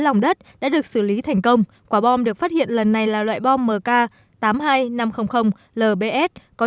lòng đất đã được xử lý thành công quả bom được phát hiện lần này là loại bom mk tám mươi hai nghìn năm trăm linh lbs có